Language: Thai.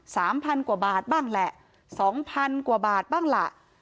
สามพันกว่าบาทบ้างแหละสองพันกว่าบาทบ้างล่ะ